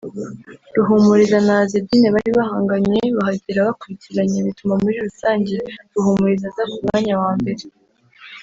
Ruhumuriza na Azzedine bari bahanganye bahagera bakurikiranye bituma muri Rusange Ruhumuriza aza ku mwanya wa mbere